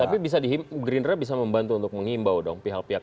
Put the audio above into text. tapi gerindra bisa membantu untuk menghimbau dong pihak pihak